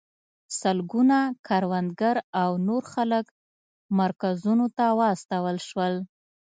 سلګونه کروندګر او نور خلک مرکزونو ته راوستل شول.